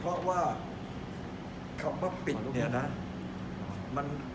เพราะว่าคำว่าปิดเนี่ยนะ